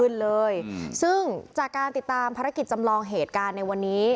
เลยซึ่งจากการติดตามภารกิจจำลองเหตุการณ์ในวันนี้